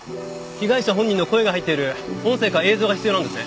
被害者本人の声が入っている音声か映像が必要なんですね？